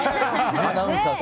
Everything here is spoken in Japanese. アナウンサーさん。